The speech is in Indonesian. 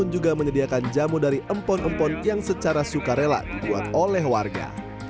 juga menyediakan jamu dari empon empon yang secara sukarela dibuat oleh warga